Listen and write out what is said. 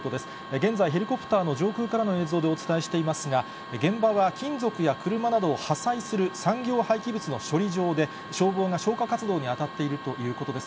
現在、ヘリコプターの上空からの映像でお伝えしていますが、現場は金属や車などを破砕する産業廃棄物の処理場で、消防が消火活動に当たっているということです。